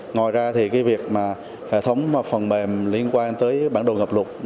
ngoài ra thì cái việc mà hệ thống phần mềm liên quan tới bản đồ ngập lục